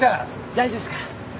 大丈夫っすから。